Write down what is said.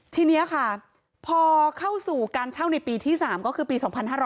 ทีนี้ค่ะพอเข้าสู่การเช่าในปีที่๓ก็คือปี๒๕๕๙